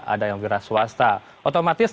ada yang wira swasta otomatis